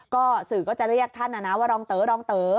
ก็สื่อก็จะเรียกท่านนะนะว่ารองเต๋อรองเต๋อ